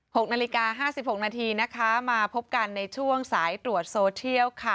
หกนาฬิกาห้าสิบหกนาทีนะคะมาพบกันในช่วงสายตรวจโซเทียลค่ะ